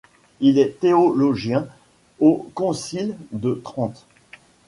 Il est théologien au concile de Trente.